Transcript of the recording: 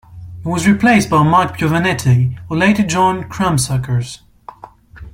He was replaced by Marc Piovanetti, who later joined Crumbsuckers.